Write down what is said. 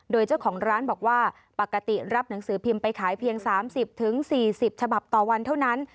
โดยเจ้าของร้านบอกว่าปกติรับหนังสือพิมพ์ไปขายเพียง๓๐๔๐ฉบับต่อวันเท่านั้น